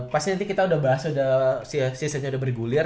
pasti nanti kita udah bahas seasonnya udah bergulir